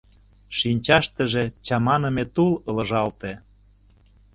Шинчаштыже чаманыме тул ылыжалте.